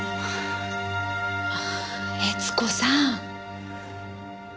悦子さん。